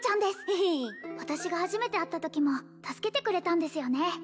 ヘヘ私が初めて会ったときも助けてくれたんですよね